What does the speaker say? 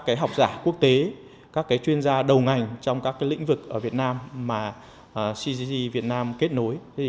các học giả quốc tế các chuyên gia đầu ngành trong các lĩnh vực ở việt nam mà cgg việt nam kết nối